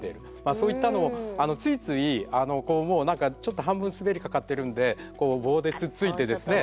そういったのをついついもう何かちょっと半分滑りかかってるんでこう棒でつっついてですね